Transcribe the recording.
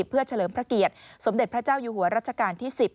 เพื่อเฉลิมพระเกียรติสมเด็จพระเจ้าอยู่หัวรัชกาลที่๑๐